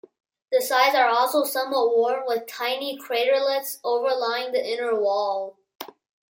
The sides are also somewhat worn, with some tiny craterlets overlying the inner wall.